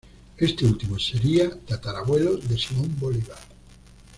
Este último sería tatarabuelo de Simón Bolívar.